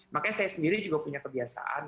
makanya saya sendiri juga punya kebiasaan